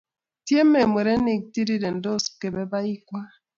Tiemei murenik, tirirendos kebebaik kwai